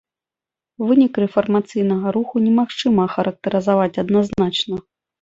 Вынікі рэфармацыйнага руху немагчыма ахарактарызаваць адназначна.